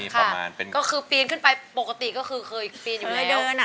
ค่ะก็คือบีมขึ้นไปปกติก็เคยบีมอยู่แล้ว